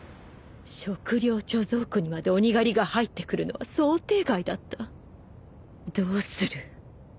食糧貯蔵庫にまで鬼狩りが入ってくるのは想定外だったどうする？